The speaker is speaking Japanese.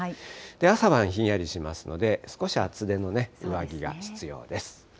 朝晩ひんやりしますので、少し厚手の上着が必要です。